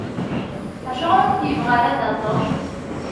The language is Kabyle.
Acuɣeṛ ur k-yebɣi ara da Tom?